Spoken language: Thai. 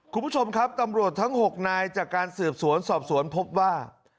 คุณผู้ชมครับตำรวจทั้ง๖นายจากการสืบสวนสอบสวนพบว่า